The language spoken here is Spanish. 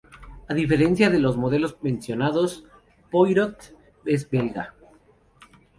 A diferencia de los modelos mencionados, Poirot es belga.